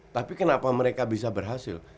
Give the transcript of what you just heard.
tapi kenapa mereka bisa berhasil